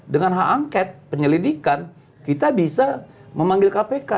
dengan hak angket penyelidikan kita bisa memanggil kpk